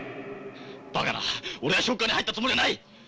バカな俺はショッカーに入ったつもりはない！